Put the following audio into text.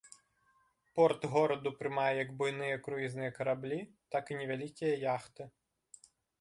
Порт гораду прымае як буйныя круізныя караблі, так і невялікія яхты.